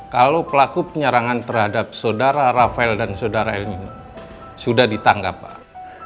kalau pelaku penyerangan terhadap saudara rafael dan saudara el nino sudah ditangkap pak